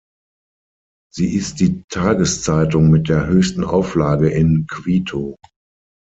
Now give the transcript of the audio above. Sie ist die Tageszeitung mit der höchsten Auflage in Quito.